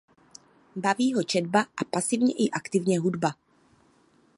Baví ho četba a pasivně i aktivně hudba.